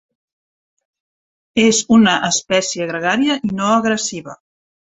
És una espècie gregària i no agressiva.